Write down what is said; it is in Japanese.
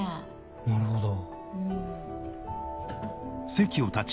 なるほど。